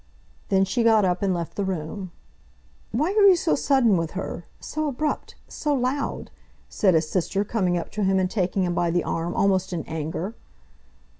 Then she got up and left the room. "Why were you so sudden with her, so abrupt, so loud?" said his sister, coming up to him and taking him by the arm almost in anger.